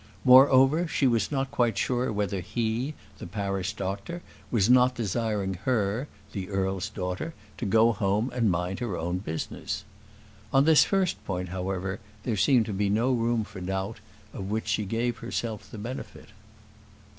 Moreover, she was not quite sure whether he, the parish doctor, was not desiring her, the earl's daughter, to go home and mind her own business. On this first point, however, there seemed to be no room for doubt, of which she gave herself the benefit.